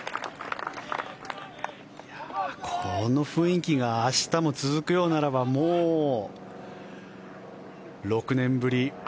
この雰囲気が明日も続くようならばもう６年ぶり